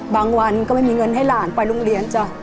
วันก็ไม่มีเงินให้หลานไปโรงเรียนจ้ะ